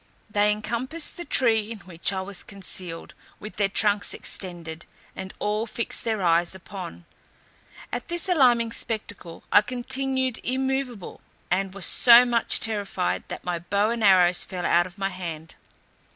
They encompassed the tree in which I was concealed, with their trunks extended, and all fixed their eyes upon. At this alarming spectacle I continued immoveable, and was so much terrified, that my bow and arrows fell out of my hand.